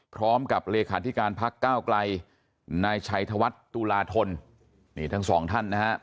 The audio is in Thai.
พร้อมกับเรขาธิการภักดิ์ก้าวกลายนายชัยธวัฒน์ตุลาทนทั้งสองท่าน